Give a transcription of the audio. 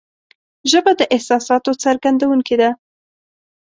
ژبه د احساساتو څرګندونکې ده